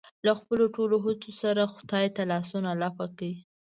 له خپلو ټولو هڅو سره خدای ته لاسونه لپه کړي.